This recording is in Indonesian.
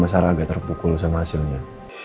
mama sarah agak terpukul sama hasilnya